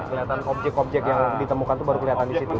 kelihatan objek objek yang ditemukan itu baru kelihatan di situ